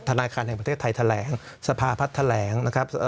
ธนาคารแห่งประเทศไทยแถลงสภาพัฒน์แถลงนะครับ